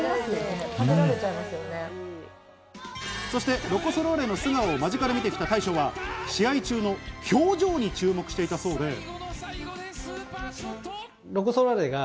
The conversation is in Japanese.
そして、ロコ・ソラーレの素顔を間近で見てきた大将は試合中の表情に注目していたそうで。